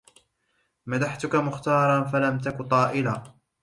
مدحتك مختارا فلم تك طائلا